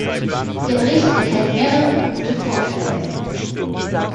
Der Bericht enthält mehrere gute Vorschläge.